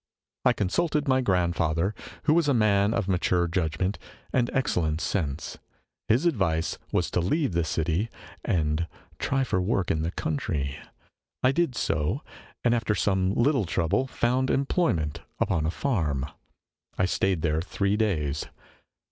" I consulted my grandfather, who \vas a man of matured judg ment and excellent sense. His advice \vas to leave the city and try for work in the country. I did so, and after some little trouble found employment upon a farm. I stayed there three days.